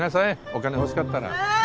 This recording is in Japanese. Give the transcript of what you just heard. お金欲しかったら。